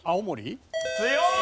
強い！